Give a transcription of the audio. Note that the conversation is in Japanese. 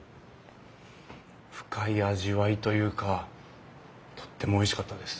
深い味わいというかとってもおいしかったです。